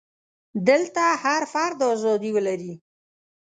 دلته هر فرد ازادي ولري.